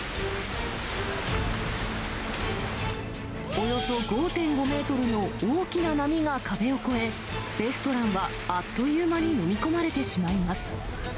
およそ５．５メートルの大きな波が壁を越え、レストランはあっという間に飲み込まれてしまいます。